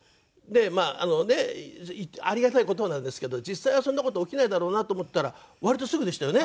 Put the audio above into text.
まああのねっありがたい事なんですけど実際はそんな事起きないだろうなと思ったら割とすぐでしたよね。